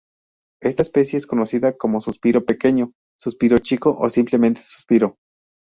Esta especie es conocida como 'Suspiro pequeño', 'Suspiro chico' o simplemente 'Suspiro'.